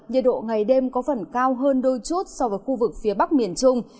nhiệt độ ngày đêm có phần cao hơn đôi chút so với khu vực phía bắc miền trung